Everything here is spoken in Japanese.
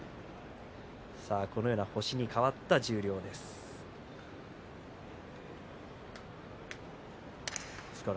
このような星に代わった十両です。